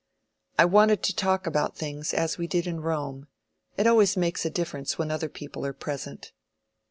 "I wanted to talk about things, as we did in Rome. It always makes a difference when other people are present."